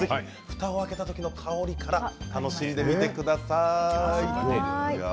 ふたを開けた時の香りから楽しんでみてください。